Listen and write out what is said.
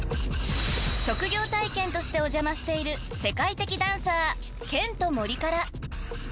［職業体験としてお邪魔している世界的ダンサーケント・モリから］